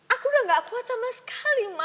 aku udah nggak kuat sama sekali ma